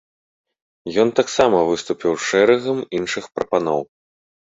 Ён таксама выступіў з шэрагам іншых прапаноў.